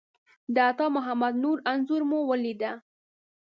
د عطامحمد نور انځور مو ولیده.